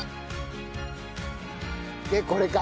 でこれか。